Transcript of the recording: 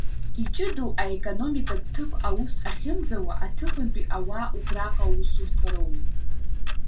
Иҷыдоу аекономикатә ҭыԥ аус ахьынӡауа, аҭыԥантәи ауаа убраҟа аусурҭа роуеит.